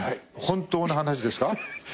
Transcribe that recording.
本当の話ですか？